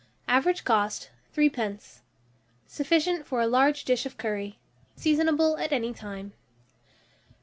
Average cost, 3d. Sufficient for a large dish of curry. Seasonable at any time.